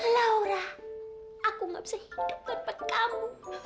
laura aku gak bisa hidup tempat kamu